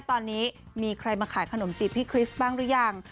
ตอนนี้มีใครมาขายขนมจีบพี่คริสต์บ้างหรือยัง